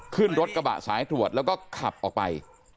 ขึ้นรถกระบะสายตรวจแล้วก็ขับออกไป